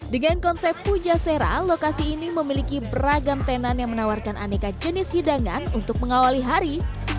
dengan konsep puja sera lokasi ini memiliki beragam tenan yang menawarkan aneka jenis hidangan untuk mengawali hari